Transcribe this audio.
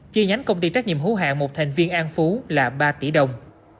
chia nhánh công ty trách nhiệm hố hạng một thành viên an phú là ba tỷ đồng